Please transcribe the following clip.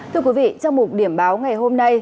thưa quý vị trong một điểm báo ngày hôm nay